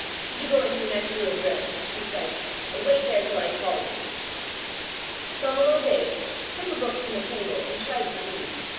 "You go into the next room, Grant," he said, "and wait there till I call you." Donal obeyed, took a book from the table, and tried to read.